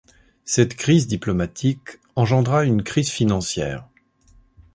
Cette crise diplomatique engendra une crise financière.